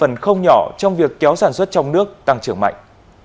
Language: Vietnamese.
và góp phần không nhỏ trong việc kéo sản xuất trong nước tăng trưởng mạnh